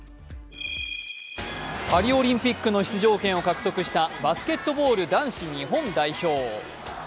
パリオリンピックの出場権を獲得したバスケットボール男子日本代表。